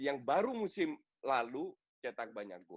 yang baru musim lalu cetak banyak gol